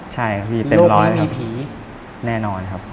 ใช่ครับพี่เต็มร้อยครับแน่นอนครับโลกนี้มีผี